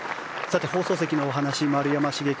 放送席のお話丸山茂樹